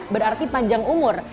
berarti panjang umur